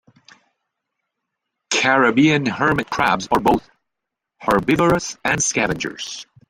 Caribbean hermit crabs are both herbivorous and scavengers.